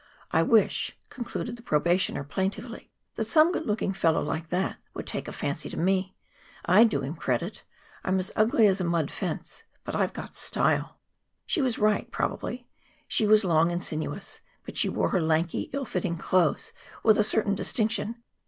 I wish," concluded the probationer plaintively, "that some good looking fellow like that would take a fancy to me. I'd do him credit. I am as ugly as a mud fence, but I've got style." She was right, probably. She was long and sinuous, but she wore her lanky, ill fitting clothes with a certain distinction.